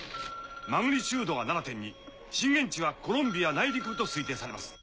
マグニチュードが７．２震源地はコロンビア内陸部と推定されます。